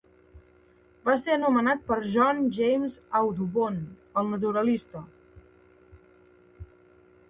Va ser anomenat per John James Audubon, el naturalista.